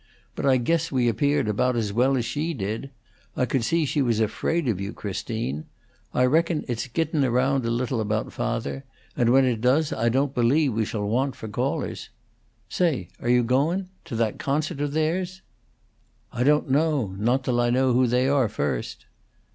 But I guess we appeared about as well as she did. I could see she was afraid of you, Christine. I reckon it's gittun' around a little about father; and when it does I don't believe we shall want for callers. Say, are you goun'? To that concert of theirs?" "I don't know. Not till I know who they are first."